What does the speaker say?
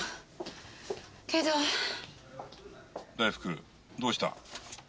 「大福どうした？」